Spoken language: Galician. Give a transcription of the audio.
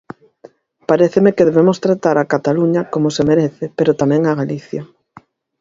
Paréceme que debemos tratar a Cataluña como se merece, pero tamén a Galicia.